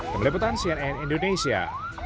kembali putan cnn indonesia